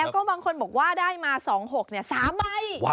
แล้วก็บางคนบอกว่าได้มา๒๖๓ใบ